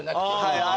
はい。